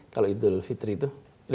kalau idul fitri itu